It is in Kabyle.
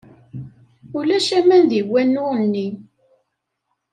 Ulac aman deg wanu-nni.